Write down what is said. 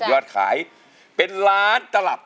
ยอดขายเป็นล้านตลับ